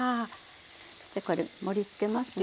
じゃこれ盛りつけますね。